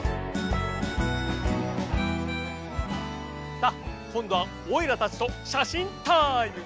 さっこんどはおいらたちとしゃしんタイム！